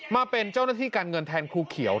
มาเป็นเจ้าหน้าที่การเงินแทนครูเขียว